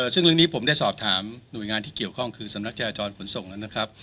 ซึ่งเรื่องนี้ผมได้สอบถามหน่วยงานที่เกี่ยวข้องคือสำนักจราจรขนส่งแล้วนะครับ